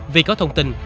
vì có thông tin